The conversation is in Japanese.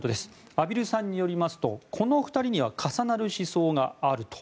畔蒜さんによりますとこの２人には重なる思想があると。